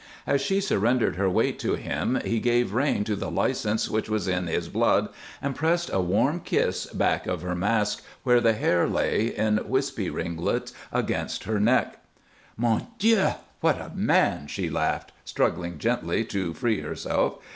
As she surrendered her weight to him he gave rein to the license which was in his blood and pressed a warm kiss back of her mask where the hair lay in wispy ringlets against her neck. "Mon Dieu! What a man!" she laughed, struggling gently to free herself.